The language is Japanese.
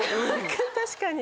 確かに。